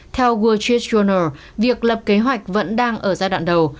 theo wall street journal việc lập kế hoạch vẫn đang ở giai đoạn đầu